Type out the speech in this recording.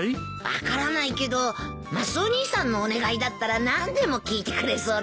分からないけどマスオ兄さんのお願いだったら何でも聞いてくれそうだよ。